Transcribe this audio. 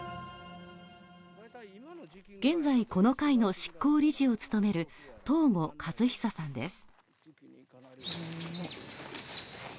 現在、この会の執行理事を務める藤五和久さんです。